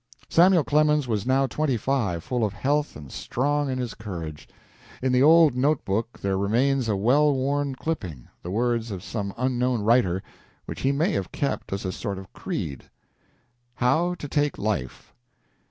Samuel Clemens was now twenty five, full of health and strong in his courage. In the old notebook there remains a well worn clipping, the words of some unknown writer, which he may have kept as a sort of creed: HOW TO TAKE LIFE.